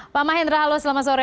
pak mahendra halo selamat sore